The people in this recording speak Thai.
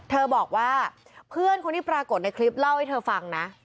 เธอบอกว่าเพื่อนคนที่ปรากฏในคลิปเล่าให้เธอฟังนะ